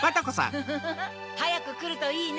フフフはやくくるといいね